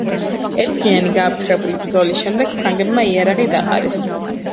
ერთდღიანი გააფთრებული ბრძოლის შემდეგ ფრანგებმა იარაღი დაყარეს.